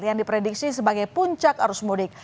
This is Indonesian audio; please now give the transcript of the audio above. yang diprediksi sebagai puncak arus mudik